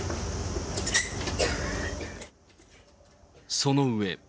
その上。